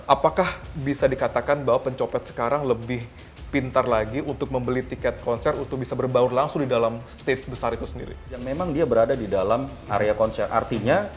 apakah bisa dikatakan bahwa pencopet sekarang lebih pintar lagi untuk membeli tiket konser untuk bisa berbaur langsung di dalam stage besar itu sendiri